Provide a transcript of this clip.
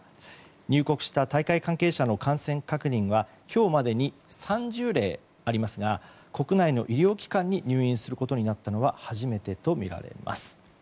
入国した大会関係者の感染確認は今日までに３０例ありますが国内の医療機関に入院することになったのは初めてとみられます。